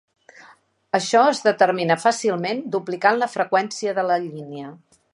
Això es determina fàcilment duplicant la freqüència de la línia.